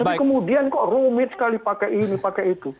tapi kemudian kok rumit sekali pakai ini pakai itu